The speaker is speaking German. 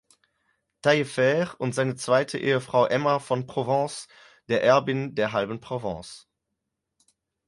Taillefer und seiner zweiten Ehefrau Emma von Provence, der Erbin der halben Provence.